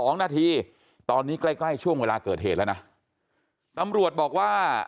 ๒๒นน๓๒นตอนนี้ใกล้ช่วงเวลาเกิดเหตุแล้วนะ